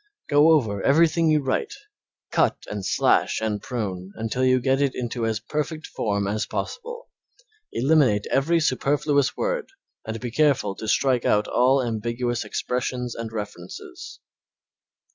Go over everything you write, cut and slash and prune until you get it into as perfect form as possible. Eliminate every superfluous word and be careful to strike out all ambiguous expressions and references.